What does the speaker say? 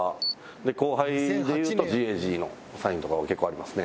後輩でいうとＧＡＧのサインとかは結構ありますね。